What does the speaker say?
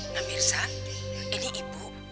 nah mirzan ini ibu